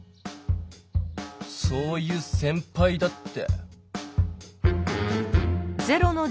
そういう先ぱいだって。